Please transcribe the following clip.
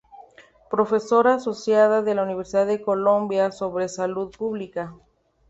Profesora asociada de la Universidad de Columbia sobre Salud Pública.